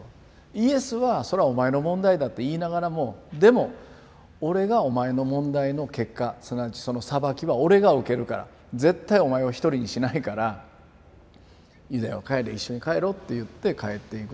イエスはそれはお前の問題だって言いながらもでも俺がお前の問題の結果すなわちその裁きは俺が受けるから絶対お前を一人にしないからユダよ一緒に帰ろうって言って帰っていく。